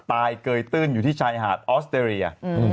เกยตื้นอยู่ที่ชายหาดออสเตรเลีย